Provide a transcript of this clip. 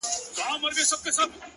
o د سترگو هره ائينه کي مي جلا ياري ده؛